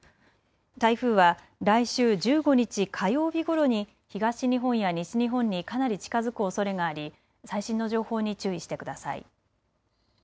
台風は来週１５日、火曜日ごろに東日本や西日本にかなり近づくおそれがあり最新の情報に注意してください。